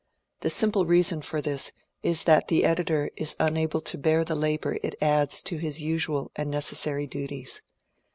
The simple reason for this is that the ed itor is unable to bear the labour it adds to his usual and neces sary duties."